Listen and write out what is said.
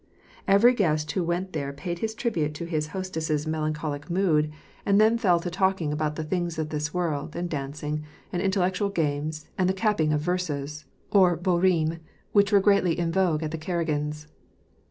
Every guest who went there paid his tribute to his hostess's 326 W^^ ^^^ PEACE. melancholic mood, and then fell to talking about the things of this world, and dancing, and intellectual games, and the cap ping of verses, — or botUs rimes, — which were greatly in vogue at the Karagins'.